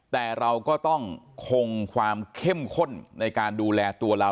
แต่เราก็ต้องคงความเข้มข้นในการดูแลตัวเรา